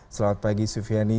selamat pagi sufiani